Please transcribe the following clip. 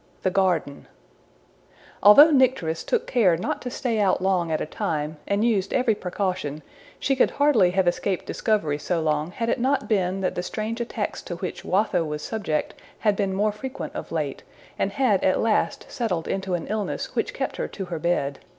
The Garden ALTHOUGH Nycteris took care not to stay out long at a time, and used every precaution, she could hardly have escaped discovery so long had it not been that the strange attacks to which Watho was subject had been more frequent of late, and had at last settled into an illness which kept her to her bed.